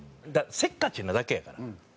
だからせっかちなだけやから。